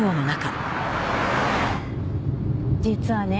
実はね